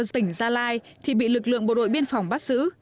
tỉnh gia lai thì bị lực lượng bộ đội biên phòng bắt giữ